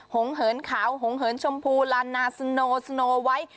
หงเหินขาวหงเหินชมพูลานาสโนสโนไว้